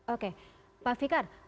oke pak fikar